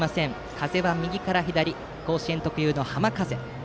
風は右から左甲子園特有の浜風。